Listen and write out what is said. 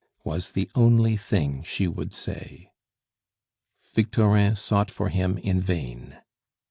was the only thing she would say. Victorin sought for him in vain.